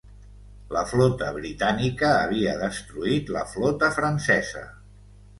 La flota britànica havia destruït la flota francesa.